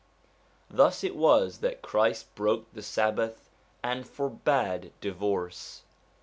Thus it Avas that Christ broke the Sabbath and forbade divorce.